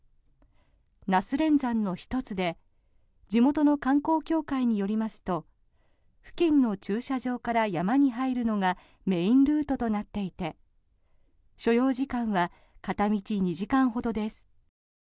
那須連山の１つで地元の観光協会によりますと付近の駐車場から山に入るのがメインルートとなっていて所要時間は片道２時間ほどです。